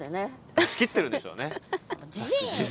出し切ってるんでしょうね。